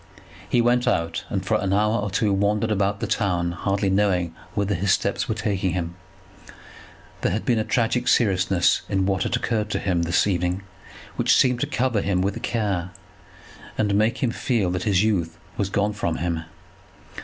He went out, and for an hour or two wandered about the town, hardly knowing whither his steps were taking him. There had been a tragic seriousness in what had occurred to him this evening, which seemed to cover him with care, and make him feel that his youth was gone from him.